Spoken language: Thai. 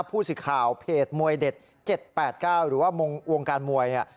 ผู้สื่อข่าวเพจมวยเด็ด๗๘๙หรือว่าวงการมวยเนี่ย